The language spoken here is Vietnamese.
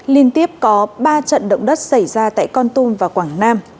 liên tiếp có ba trận động đất xảy ra tại con tum và quảng nam